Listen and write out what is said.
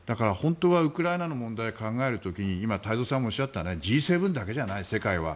だから、本当はウクライナの問題を考える時に今、太蔵さんがおっしゃったようにＧ７だけじゃない、世界は。